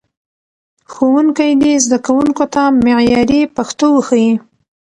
ښوونکي دې زدهکوونکو ته معیاري پښتو وښيي.